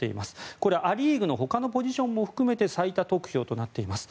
これ、ア・リーグのほかのポジションも含めて最多得票となっています。